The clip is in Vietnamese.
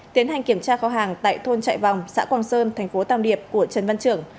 tiến hành kiểm tra kho hàng tại thuôn trại vòng xã quang sơn tp tàm điệp của trần văn trưởng